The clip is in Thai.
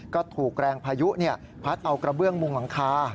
ก็ถูกแรงพายุพัดเอากระเบื้องมุงหลังคา